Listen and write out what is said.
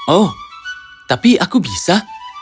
oh tapi aku bisa